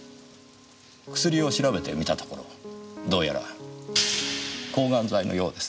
薬を調べてみたところどうやら抗がん剤のようですねぇ。